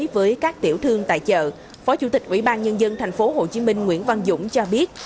với các tiểu thương tại chợ phó chủ tịch ủy ban nhân dân thành phố hồ chí minh nguyễn văn dũng cho biết